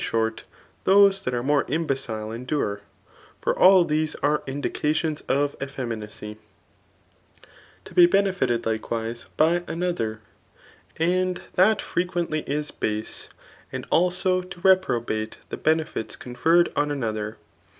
short those that are more imbecile endure ; for all these are indicatioiis of eflfemiRaey* To be benefited likewise by another, and that frequently fc.base ; and also to reprobate the benefits conferred on another.